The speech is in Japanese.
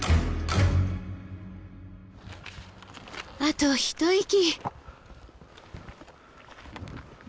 あと一息。